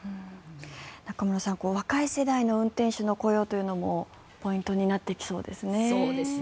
中室さん、若い世代の運転手の雇用というのもポイントになってきそうですね。